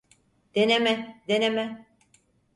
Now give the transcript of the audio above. Deneme, deneme.